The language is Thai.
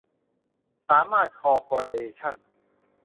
สามารถคอร์ปอเรชั่น